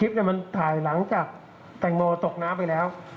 คลิปมันถ่ายหลังจากแตงโมตกน้ำไปแล้ว